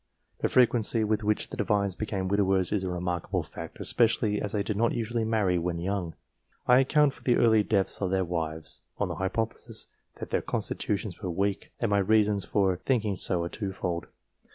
The frequency with which the Divines became widowers is a remarkable fact, especially as they did not usually marry when young. I account for the early deaths of their wives, on the hypothesis that their constitutions were weak, and my reasons for thinking so are twofold.